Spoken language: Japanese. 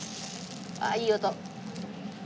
ああいい音。